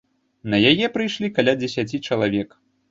На яе прыйшлі каля дзесяці чалавек.